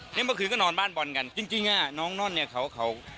เนี่ยเมื่อคืนก็นอนห้านบกที่มันกัน